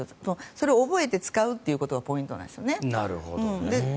それを覚えて使うということがポイントなんですね。